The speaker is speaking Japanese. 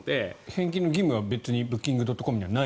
返金の義務はブッキングドットコムにはない。